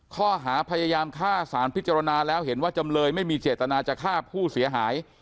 ข้อหาพยายามฆ่าสารพิจารณาแล้วเห็นว่าจำเลยไม่มีเจตนาจะฆ่าผู้เสียหาย